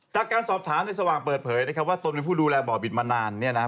จากการสอบถามในสว่างเปิดเผยนะครับว่าตนเป็นผู้ดูแลบ่อบิดมานานเนี่ยนะ